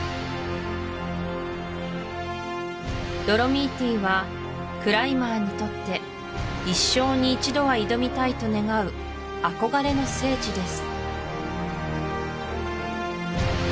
ドロミーティはクライマーにとって一生に一度は挑みたいと願う憧れの聖地です